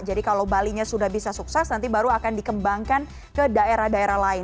jadi kalau bali nya sudah bisa sukses nanti baru akan dikembangkan ke daerah daerah lain